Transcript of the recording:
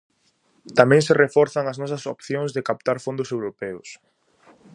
Tamén se reforzan as nosas opcións de captar fondos europeos.